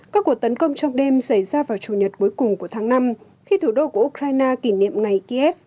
các cuộc tấn công trong đêm xảy ra vào chủ nhật cuối cùng của tháng năm khi thủ đô của ukraine kỷ niệm ngày kiev